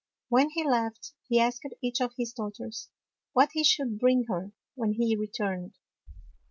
When he left, he asked each of his daughters what he should bring her when he returned.